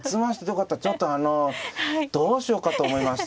ちょっとあのどうしようかと思いました。